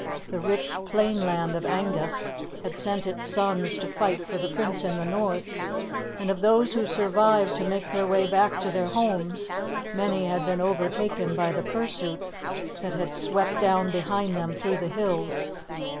The rich plainland of Angus had sent its sons to fight for the Prince in the North, and of those who survived to make their way back to their homes, many had been overtaken by the pursuit that had swept down behind them through the hills.